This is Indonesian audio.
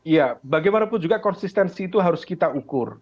ya bagaimanapun juga konsistensi itu harus kita ukur